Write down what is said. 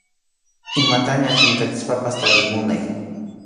Imataña chinkachispapas tariy munay.